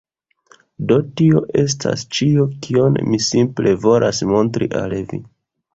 Do tio estas ĉio, kion mi simple volas montri al vi.